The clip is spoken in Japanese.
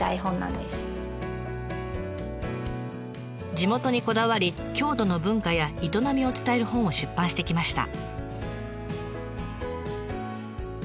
地元にこだわり郷土の文化や営みを伝える本を出版してきました。